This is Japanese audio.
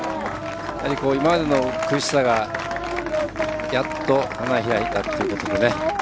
今までの苦しさがやっと、花開いたということで。